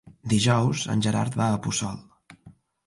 Dijous en Gerard va a Puçol.